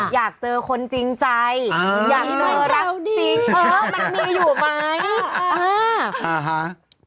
อยากเจอคนจริงใจอยากเจอรักจริงเธอมันมีอยู่ไหม